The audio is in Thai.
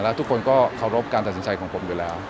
แล้วทุกคนก็เคารพการตัดสินใจของผมอยู่แล้ว